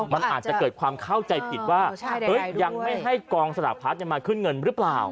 มันอาจจะเกิดความเข้าใจผิดว่ายังไม่ให้กองสลากพัดมาขึ้นเงินหรือเปล่า